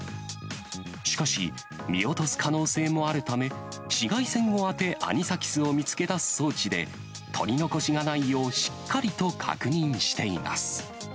しかし見落とす可能性もあるため、紫外線を当て、アニサキスを見つけ出す装置で、取り残しがないようしっかりと確認しています。